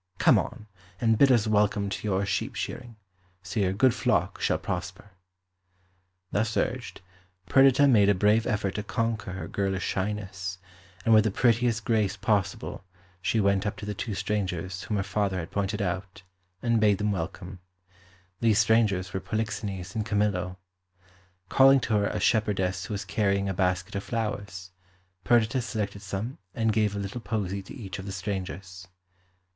"Come on, and bid us welcome to your sheep shearing; so your good flock shall prosper." Thus urged, Perdita made a brave effort to conquer her girlish shyness, and with the prettiest grace possible she went up to the two strangers whom her father had pointed out, and bade them welcome. These strangers were Polixenes and Camillo. Calling to her a shepherdess who was carrying a basket of flowers, Perdita selected some and gave a little posy to each of the strangers.